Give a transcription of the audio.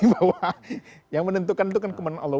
bahwa yang menentukan itu kan kemenangan allah